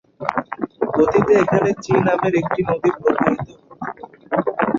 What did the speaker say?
অতীতে এখানে চি নামের একটি নদী প্রবাহিত হত।